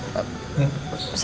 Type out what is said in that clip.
pak ini untuk masinya